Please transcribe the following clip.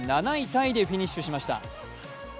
タイでフィニッシュしました。